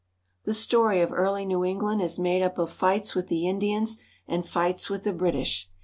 The story of early New England is made up of fights with the Indians and fights with the British.